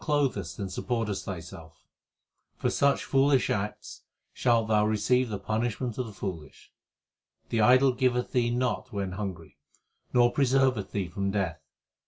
HYMNS OF GURU NANAK 373 For such foolish acts shalt thou receive the punishment of the foolish. The idol giveth thee not when hungry, nor presenvth thee from death.